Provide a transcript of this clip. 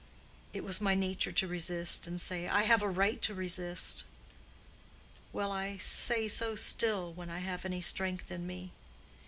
It was my nature to resist, and say, 'I have a right to resist.' Well, I say so still when I have any strength in me.